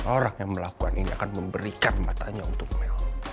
orang yang melakukan ini akan memberikan matanya untuk melon